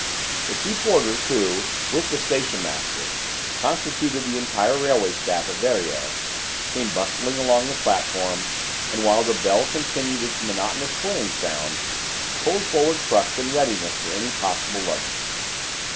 The two porters who, with the stationmaster, constituted the entire railway staff at Verrières, came bustling along the platform, and while the bell continued its monotonous whirring ring, pulled forward trucks in readiness for any possible luggage.